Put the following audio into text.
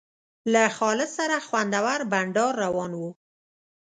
له خالد سره خوندور بنډار روان و.